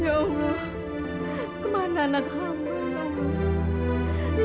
ya allah kemana adik adiknya